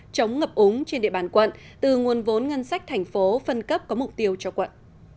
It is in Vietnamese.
chống ngập úng trên địa bàn quận từ nguồn vốn ngân sách thành phố phân cấp có mục tiêu cho quận